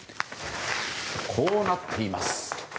こうなっています。